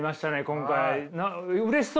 今回。